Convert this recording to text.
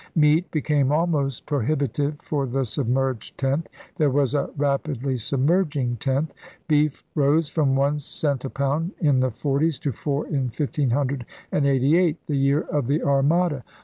Meat became almost pro hibitive for the * submerged tenth' — there was a rapidly submerging tenth. Beef rose from one cent a pound in the forties to four in 1588, the year of the Armada.